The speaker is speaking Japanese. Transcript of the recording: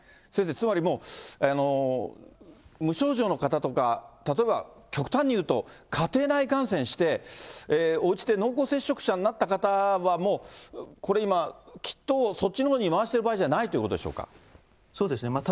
先生、つまりもう、無症状の方とか、例えば、極端にいうと家庭内感染して、おうちで濃厚接触者になった方は、もう、これ今、キットをそっちのほうに回している場合じゃないということでしょそうですね。